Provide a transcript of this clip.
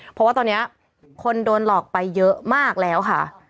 เพราะว่าตอนนี้คนโดนหลอกไปเยอะมากแล้วค่ะ